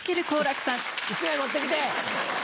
１枚持って来て。